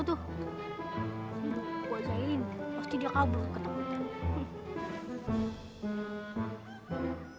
tapi jika kau tidak perhatikan aufdichthey are right